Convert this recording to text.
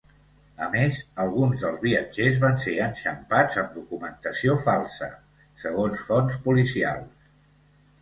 A més, alguns dels viatgers van ser enxampats amb documentació falsa, segons fonts policials.